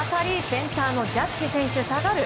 センターのジャッジ選手が下がる！